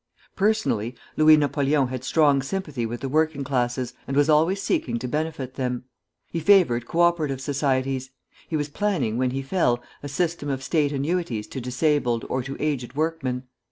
Personally, Louis Napoleon had strong sympathy with the working classes, and was always seeking to benefit them. He favored co operative societies; he was planning, when he fell, a system of state annuities to disabled or to aged workmen.